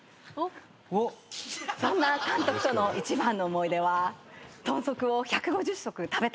そんな監督との一番の思い出は豚足を１５０食食べたことです。